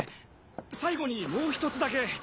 最後にもう１つだけ。